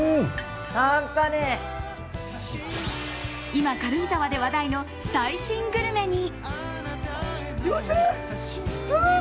今、軽井沢で話題の最新グルメに。